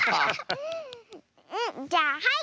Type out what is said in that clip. うんじゃあはい！